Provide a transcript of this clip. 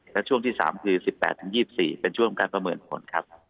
และช่วงที่๓คือ๑๘๒๔เป็นช่วงของการประเมินผลครับ